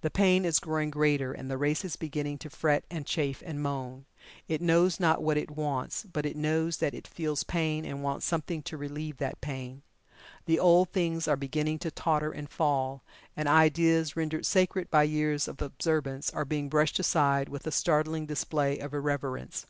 The pain is growing greater, and the race is beginning to fret and chafe, and moan. It knows not what it wants, but it knows that it feels pain and wants something to relieve that pain. The old things are beginning to totter and fall, and ideas rendered sacred by years of observance are being brushed aside with a startling display of irreverence.